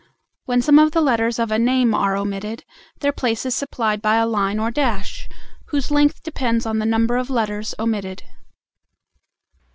When some of the letters of a name are omitted, their place is supplied by a line or dash, whose length depends on the number of letters omitted.